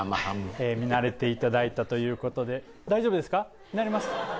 見慣れていただいたということで大丈夫ですか見慣れました？